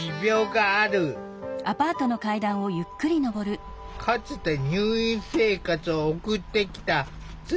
かつて入院生活を送ってきた津坂さん。